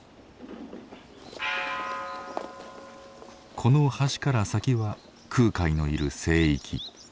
この橋から先は空海のいる聖域。